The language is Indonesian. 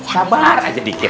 sabar aja dikit